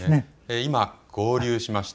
今、合流しました。